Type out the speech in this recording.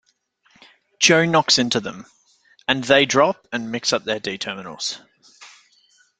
Joe knocks into them, and they drop and mix up their D-Terminals.